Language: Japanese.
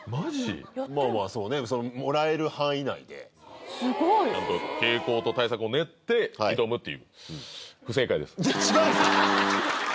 まぁまぁそうねもらえる範囲内でスゴいちゃんと傾向と対策を練って挑むっていう不正解です違うんすか⁉